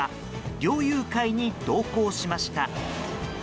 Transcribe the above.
猟友会に同行しました。